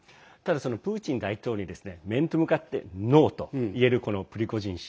プーチン大統領に面と向かってノーと言えるこのプリゴジン氏。